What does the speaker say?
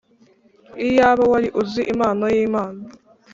“Iyaba wari uzi impano y’Imana